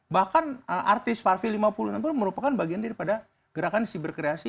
bahkan artis parvi lima puluh merupakan bagian daripada gerakan siberkreasi